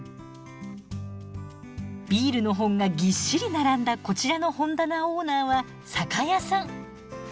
ビールの本がぎっしり並んだこちらの本棚オーナーは酒屋さん。